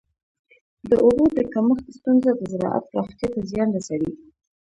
د اوبو د کمښت ستونزه د زراعت پراختیا ته زیان رسوي.